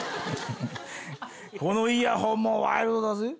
このイヤホンもワイルドだぜ。